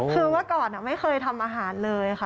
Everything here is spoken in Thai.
คือเมื่อก่อนไม่เคยทำอาหารเลยค่ะ